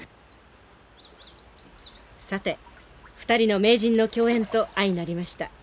さて２人の名人の競演と相成りました。